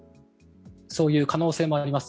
そういう可能性もあります。